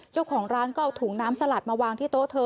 เจ้าของร้านก็เอาถุงน้ำสลัดมาวางที่โต๊ะเธอ